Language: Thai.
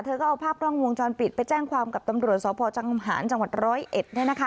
ก็เอาภาพกล้องวงจรปิดไปแจ้งความกับตำรวจสพจังหารจังหวัดร้อยเอ็ด